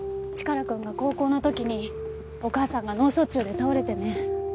チカラくんが高校の時にお母さんが脳卒中で倒れてね。